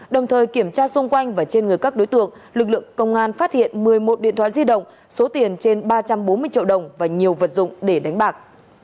đồng thời kiểm tra xung quanh và trên người các đối tượng lực lượng công an phát hiện một mươi một điện thoại di động số tiền trên ba trăm bốn mươi triệu đồng và nhiều vật dụng để đánh bạc